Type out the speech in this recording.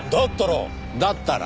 だったら。